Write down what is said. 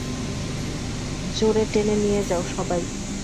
জোরে টেনে নিয়ে যাও, সবাই!